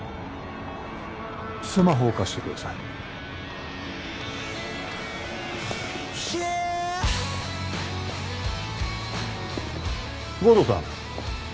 スマホを貸してください護道さん